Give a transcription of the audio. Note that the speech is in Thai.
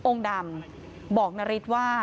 องค์ดำบอกนาริฐว่า